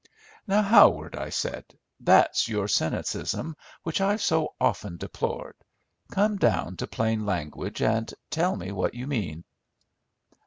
"Now, Howard," I said, "that's your cynicism which I've so often deplored. Come down to plain language, and tell me what you mean?"